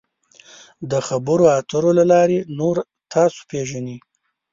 د خبرو اترو له لارې نور تاسو پیژني.